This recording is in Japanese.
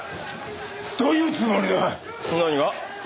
どういうつもりだ！？何が？